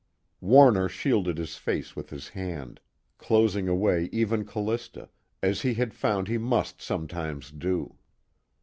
Warner shielded his face with his hand, closing away even Callista, as he had found he must sometimes do.